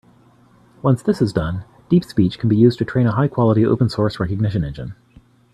Once this is done, DeepSpeech can be used to train a high-quality open source recognition engine.